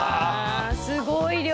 すごい量。